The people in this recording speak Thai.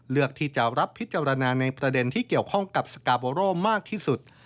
เลือกที่จะรับพิจารณาในประเด็นที่เกี่ยวข้องกับสกาโบโร่มากที่สุด